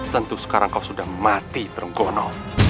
tentu sekarang kau sudah mati tenggono